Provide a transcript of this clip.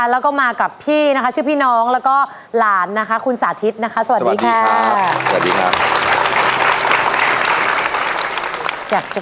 แล้วก็มากับพี่นะคะชื่อพี่น้องแล้วก็หลานนะคะคุณสาธิตนะคะสวัสดีค่ะสวัสดีครับ